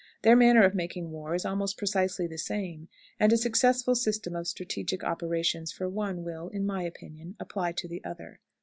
Their manner of making war is almost precisely the same, and a successful system of strategic operations for one will, in my opinion, apply to the other.